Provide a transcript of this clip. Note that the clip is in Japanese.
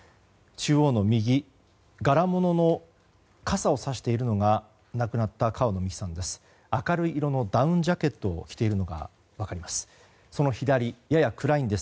中央の右柄物の傘をさしているのが亡くなった川野美樹さんです。